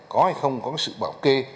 có hay không có sự bảo kê